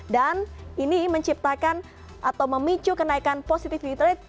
dan ini menciptakan atau memicu kenaikan positif literat